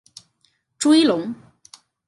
朱一龙